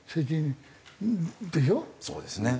そうですね。